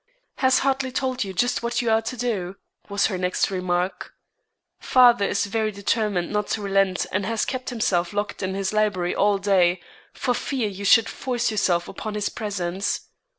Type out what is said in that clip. "Has Hartley told you just what you are to do?" was her next remark. "Father is very determined not to relent and has kept himself locked in his library all day, for fear you should force yourself upon his presence.